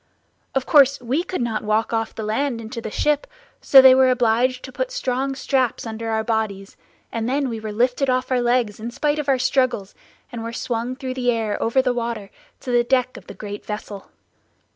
Of course we could not walk off the land into the ship; so they were obliged to put strong straps under our bodies, and then we were lifted off our legs in spite of our struggles, and were swung through the air over the water, to the deck of the great vessel.